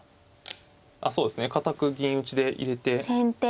あっそうですね堅く銀打ちで入れて。